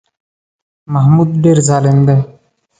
محمود ډېر ظالم دی.